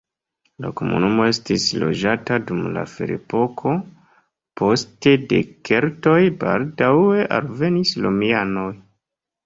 La komunumo estis loĝata dum la ferepoko, poste de keltoj, baldaŭe alvenis romianoj.